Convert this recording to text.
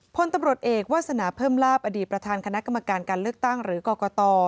พลตำรวจเอกวาสนาเพิ่มลาบอดีตประธานคณะกรรมการการเลือกตั้งหรือกรกต